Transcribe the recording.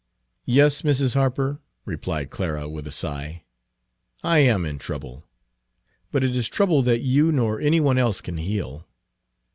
"Yes, Mrs. Harper," replied Clara with a sigh, "I am in trouble, but it is trouble that you nor any one else can heal."